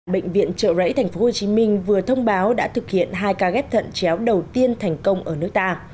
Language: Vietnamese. bệnh viện trợ rẫy tp hcm vừa thông báo đã thực hiện hai ca ghép thận chéo đầu tiên thành công ở nước ta